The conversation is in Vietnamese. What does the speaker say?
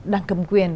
đảng cầm quyền